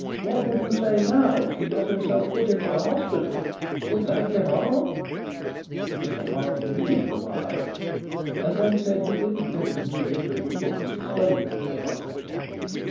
What would you say now, if he got himself put into the hospital? Would that be harm?' Mr Harding mused awhile, and then said he didn't think the new bishop would put Mr Slope into the hospital.